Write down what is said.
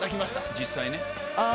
実際ね。